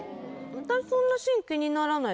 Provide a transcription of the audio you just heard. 私そんな芯気にならないです。